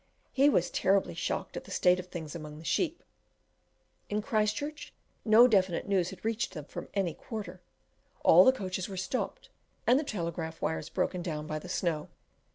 He was terribly shocked at the state of things among the sheep; in Christchurch no definite news had reached them from any quarter: all the coaches were stopped and the telegraph wires broken down by the snow.